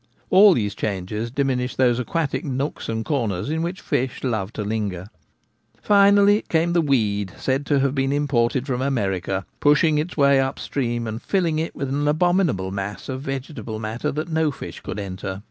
All these changes diminish those aquatic nooks and corners in which fish love to linger. Finally came the weed said to have been imported from America, pushing its way up stream, and filling it with an abominable mass of vegetable matter that no fish could enter.